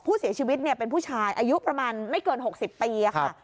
ผู้เสียชีวิตเป็นผู้ชายอายุประมาณไม่เกิน๖๐ปีค่ะ